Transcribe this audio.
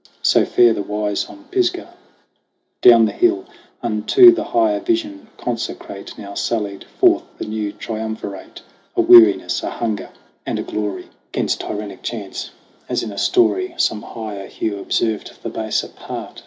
So fare the wise on Pisgah. Down the hill, Unto the higher vision consecrate, Now sallied forth the new triumvirate A Weariness, a Hunger and a Glory 58 SONG OF HUGH GLASS Against tyrannic Chance. As in a story Some higher Hugh observed the baser part.